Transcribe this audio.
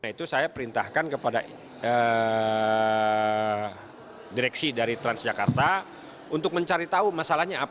nah itu saya perintahkan kepada direksi dari transjakarta untuk mencari tahu masalahnya apa